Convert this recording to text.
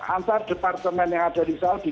antar departemen yang ada di saudi